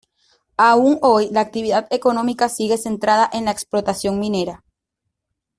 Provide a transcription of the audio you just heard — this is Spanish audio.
Aún hoy, la actividad económica sigue centrada en la explotación minera.